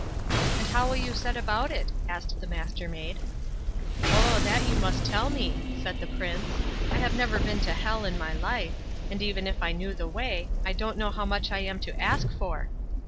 "And how will you set about it?" asked the Mastermaid. "Oh, that you must tell me", said the Prince. "I have never been to Hell in my life; and even if I knew the way, I don't know how much I am to ask for."